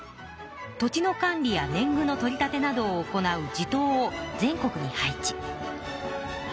土地の管理や年ぐの取り立てなどを行う地頭を全国に配置。